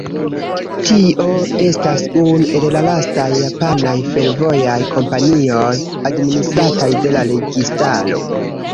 Tio estis unu el la lastaj japanaj fervojaj kompanioj, administrataj de la registaro.